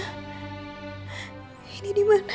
aku ada dimana